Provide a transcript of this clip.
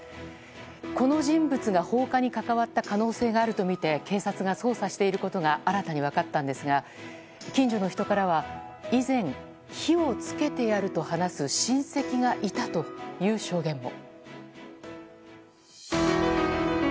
この人物が放火に関わった可能性があるとみて警察が捜査していることが新たに分かったんですが近所の人からは以前、火を付けてやると話す親戚がいたという証言も。